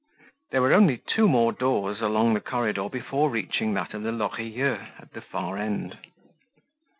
There were only two more doors along the corridor before reaching that of the Lorilleuxs at the far end.